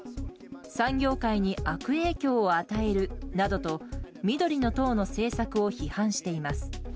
産業界に悪影響を与えるなどと緑の党の政策を批判しています。